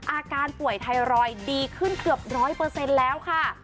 อาการป่วยไทรอยด์ดีขึ้นเกือบร้อยเปอร์เซ็นต์แล้วค่ะ